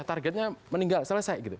targetnya meninggal selesai gitu